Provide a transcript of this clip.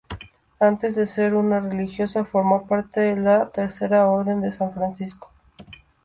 Antes de ser una religiosa, formó parte de la Tercera orden de San Francisco.